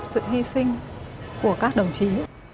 và sự hy sinh của các đồng chí